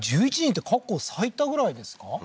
１１人って過去最多ぐらいですか？